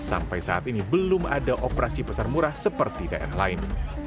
sampai saat ini belum ada operasi pasar murah seperti daerah lain